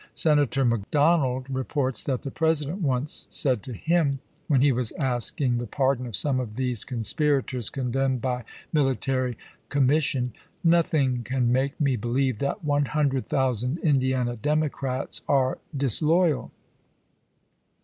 Senator McDonald reports that the President once said to him, when he was asking the pardon of some of these conspirators condemned by military commission, "Nothing can make me believe that one hundred thousand Indiana Democrats are dis loyal."